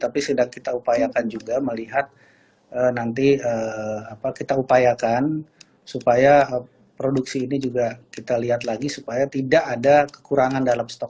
tapi sudah kita upayakan juga melihat nanti kita upayakan supaya produksi ini juga kita lihat lagi supaya tidak ada kekurangan dalam stok